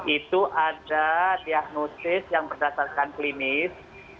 itu ada diagnosis yang berdasarkan klinis